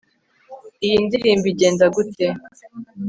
iyo ndirimbo igenda gute